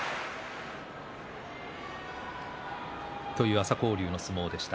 朝紅龍の相撲でした。